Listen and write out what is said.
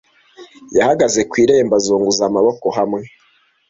Yahagaze ku irembo, azunguza amaboko hamwe.